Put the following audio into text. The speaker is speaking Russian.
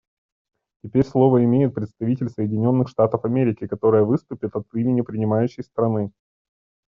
Теперь слово имеет представитель Соединенных Штатов Америки, которая выступит от имени принимающей страны.